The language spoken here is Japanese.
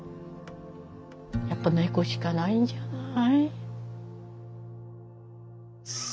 やっぱ猫しかないんじゃない？